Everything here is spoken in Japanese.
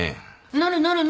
なるなるなる！